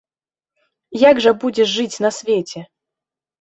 Як жа будзеш жыць на свеце?